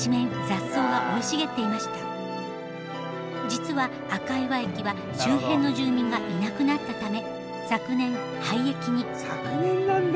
実は赤岩駅は周辺の住民がいなくなったため昨年廃駅に。